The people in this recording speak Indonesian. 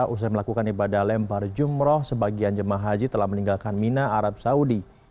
usai melakukan ibadah lempar jumroh sebagian jemaah haji telah meninggalkan mina arab saudi